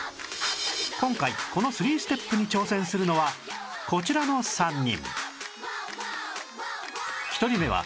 今回この３ステップに挑戦するのはこちらの３人